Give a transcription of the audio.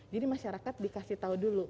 jadi masyarakat dikasih tau dulu